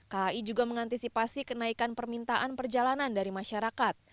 kai juga mengantisipasi kenaikan permintaan perjalanan dari masyarakat